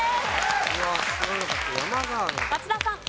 松田さん。